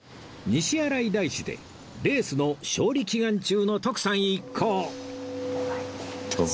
西新井大師でレースの勝利祈願中の徳さん一行